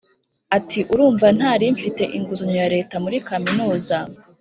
Ati Urumva nari mfite inguzanyo ya Leta muri kaminuza